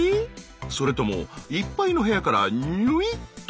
それともいっぱいの部屋からにゅいっと？